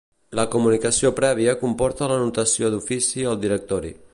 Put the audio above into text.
La comunicació prèvia comporta l'anotació d'ofici al Directori.